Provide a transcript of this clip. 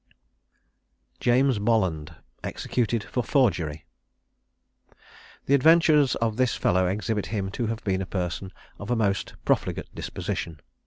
JAMES BOLLAND. EXECUTED FOR FORGERY. The adventures of this fellow exhibit him to have been a person of a most profligate disposition.